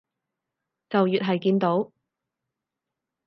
就越係見到